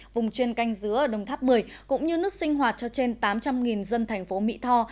vùng chuyên canh giữa đồng tháp một mươi cũng như nước sinh hoạt cho trên tám trăm linh dân thành phố mỹ tho